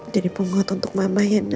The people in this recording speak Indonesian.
jadi penghutang untuk mama ya nanya